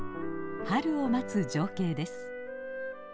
春を待つ情景です。